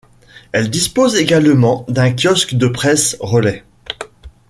Elle dispose également d'un kiosque de presse Relay.